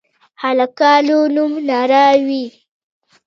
هلکانو نوم رڼا وي